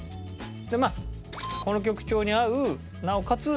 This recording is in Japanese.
まあこの曲調に合うなおかつ